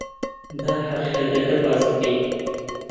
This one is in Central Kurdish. با ھەقیقەتەکە باس بکەین.